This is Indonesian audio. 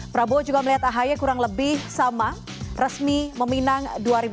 prabowo juga melihat ahy kurang lebih sama resmi meminang dua ribu sembilan belas